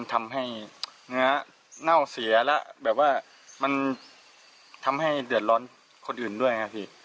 ทำให้เนื้อเน่าเสียแล้วแบบว่ามันทำให้เดือดร้อนคนอื่นด้วยไงพี่